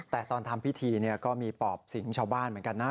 แต่ตอนทำพิธีก็มีปอบสิงชาวบ้านเหมือนกันนะ